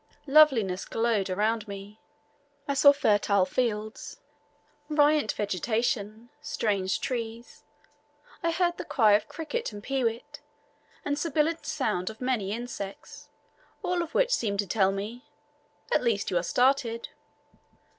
Loveliness glowed around me. I saw fertile fields, riant vegetation, strange trees I heard the cry of cricket and pee wit, and sibilant sound of many insects, all of which seemed to tell me, "At last you are started."